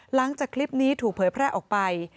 หลังจากคลิปนี้ถูกเผยแพร่ออกไป